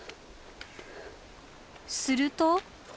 すると。